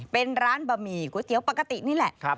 เป็นร้านบะหมี่ก๋วยเตี๋ยวปกตินี่แหละ